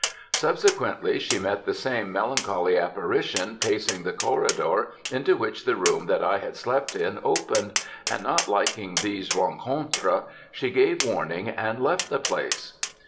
"Subsequently, she met the same melancholy apparition pacing the corridor into which the room that I had slept in opened; and not liking these rencontres she gave warning and left the place.